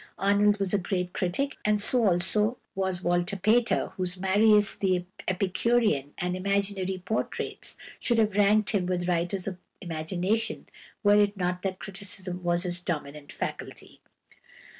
Arnold was a great critic, and so also was =Walter Pater (1839 1894)=, whose "Marius the Epicurean" and "Imaginary Portraits" should have ranked him with writers of imagination were it not that criticism was his dominant faculty.